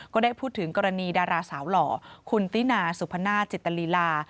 ก็ได้พูดถึงกรณีดาราสาวหล่อคุณตินาสุพนาศจิตลีลา